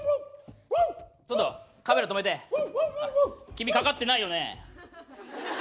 君かかってないよね。